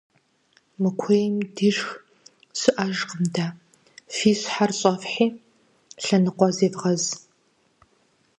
- Мы куейм дишх щыӏэжкъым дэ: фи щхьэр щӏэфхьи, лъэныкъуэ зевгъэз.